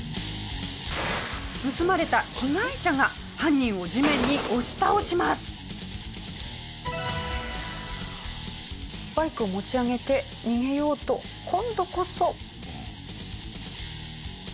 盗まれた被害者が犯人をバイクを持ち上げて逃げようと今度こそ。